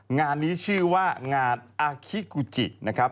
งานนี้ชื่อว่างานอาคิกุจินะครับ